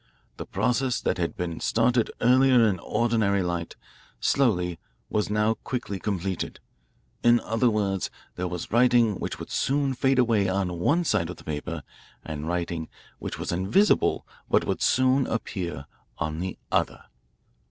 The process that had been started earlier in ordinary light, slowly, was now quickly completed. In other words, there was writing which would soon fade away on one side of the paper and writing which was invisible but would soon appear on the other.